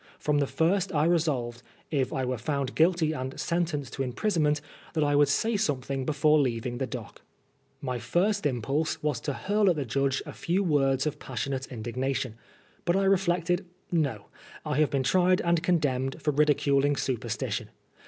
From the first I resolved, if I were found guilty and sentenced to imprisonment, that I would say something before leaving the dock. My first impulse 106 PRISONER FOB BLASPHEMY. was to hurl at the judge a few words of passionate indignation. But I reflected " No ! I have been tried and condemned for ridicnling superstition.